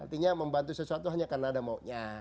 artinya membantu sesuatu hanya karena ada maunya